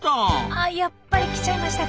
あやっぱり来ちゃいましたか。